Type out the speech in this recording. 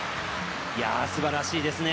すばらしいですね。